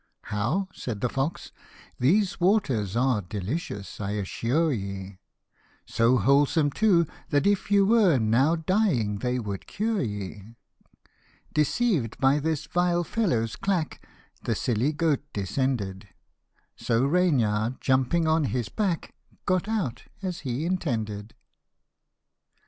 " How ?" said the fox, " these waters are Delicious, I assure ye ; So wholesome too, that if you were Now dying, they would cure ye." Tlie FOX& tlie Goat. Tlte Lame Man the Blind. 65 Deceived by this vile fellow's clack The silly goat descended ; So Reynard jumping on his back, Got out, as he intended.